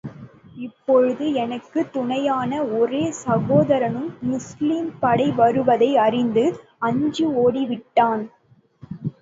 இப்பொழுது எனக்குத் துணையான ஒரே சகோதரனும் முஸ்லிம் படை வருவதை அறிந்து, அஞ்சி ஓடி விட்டான்.